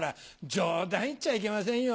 「冗談言っちゃいけませんよ